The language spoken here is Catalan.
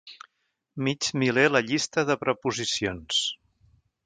Mig miler a la llista de preposicions.